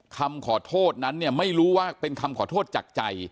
คำขอโทษนั้นเนี่ยไม่รู้ว่าเป็นคำขอโทษจากใจ